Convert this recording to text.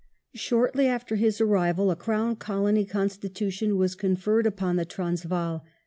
Shortly after his anival a Crown Colony Constitution was conferred upon the Transvaal.